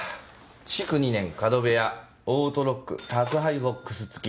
築２年角部屋オートロック宅配ボックス付き。